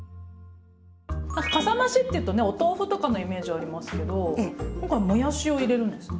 カサ増しっていうとねお豆腐とかのイメージありますけど今回もやしを入れるんですね。